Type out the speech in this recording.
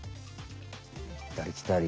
行ったり来たり。